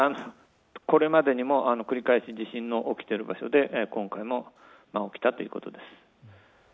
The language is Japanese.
これまでにも繰り返し地震の起きている場所で今回も起きたということです。